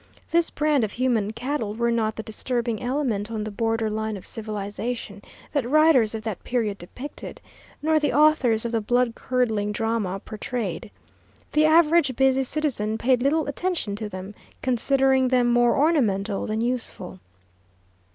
This brand of human cattle were not the disturbing element on the border line of civilization that writers of that period depicted, nor the authors of the bloodcurdling drama portrayed. The average busy citizen paid little attention to them, considering them more ornamental than useful.